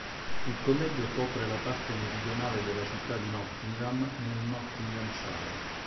Il collegio copre la parte meridionale della città di Nottingham, nel Nottinghamshire.